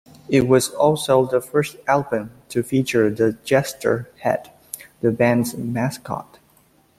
It was also the first album to feature the Jester Head, the band's mascot.